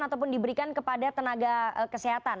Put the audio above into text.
ataupun diberikan kepada tenaga kesehatan